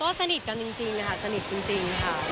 ก็สนิทกันจริงค่ะสนิทจริงค่ะ